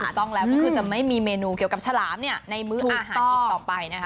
ต้องแล้วก็คือจะไม่มีเมนูเกี่ยวกับฉลามในมื้ออาหารอีกต่อไปนะคะ